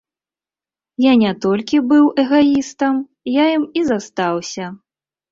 Я не толькі быў эгаістам, я ім і застаўся.